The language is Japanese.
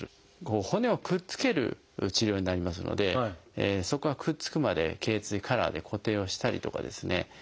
骨をくっつける治療になりますのでそこがくっつくまで頚椎カラーで固定をしたりとかですね